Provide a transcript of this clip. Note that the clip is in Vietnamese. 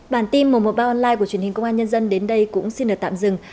bản tin mùa mùa ba online của truyền hình công an nhân dân đến đây cũng xin được tạm dừng